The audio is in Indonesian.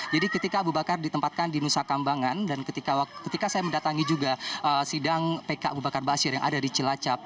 jadi ketika aba bakar ditempatkan di nusa kambangan dan ketika saya mendatangi juga sidang pk aba bakar aba asyir yang ada di celacap